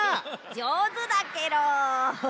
じょうずだケロ。